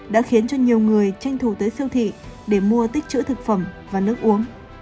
đã khiến cho nhiều người tranh thủ tới siêu thị để mua tích chữ thực phẩm và nước uống